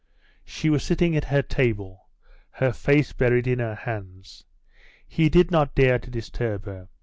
She was sitting at the table, her face buried in her hands. He did not dare to disturb her.